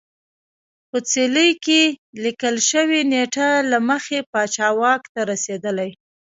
په څلي کې لیکل شوې نېټه له مخې پاچا واک ته رسېدلی